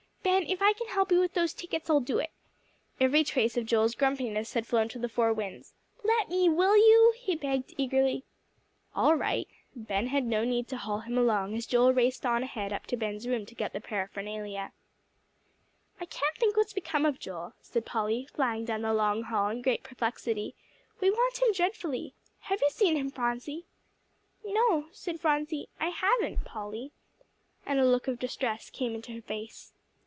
"Ben, if I can help you with those tickets I'll do it." Every trace of Joel's grumpiness had flown to the four winds. "Let me, will you?" he begged eagerly. "All right." Ben had no need to haul him along, as Joel raced on ahead up to Ben's room to get the paraphernalia. "I can't think what's become of Joel," said Polly, flying down the long hall in great perplexity, "we want him dreadfully. Have you seen him, Phronsie?" "No," said Phronsie, "I haven't, Polly," and a look of distress came into her face.